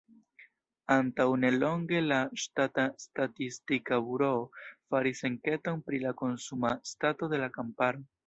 Antaŭnelonge la ŝtata statistika buroo faris enketon pri la konsuma stato de la kamparo.